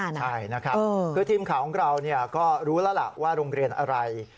ใช่นะครับคือทีมข่าวของเราก็รู้แล้วล่ะว่าโรงเรียนอะไร